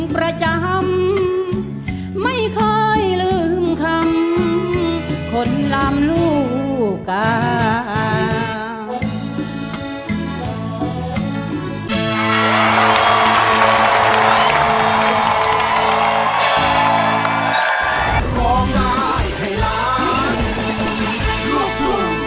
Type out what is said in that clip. แผ่นไหนครับ